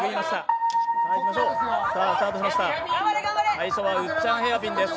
最初はウッチャンヘアピンです。